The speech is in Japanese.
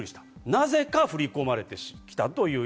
なぜか振り込まれてきたという。